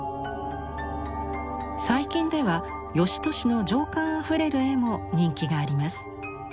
最近では芳年の情感あふれる絵も人気があります。